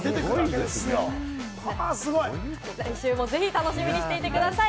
すごい！来週もぜひ楽しみにしていてください。